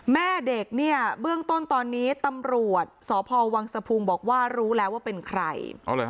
แม่เด็กเนี่ยเบื้องต้นตอนนี้ตำรวจสพวังสะพุงบอกว่ารู้แล้วว่าเป็นใคร